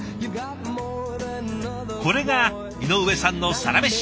これが井上さんのサラメシ。